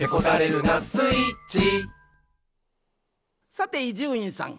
さて伊集院さん。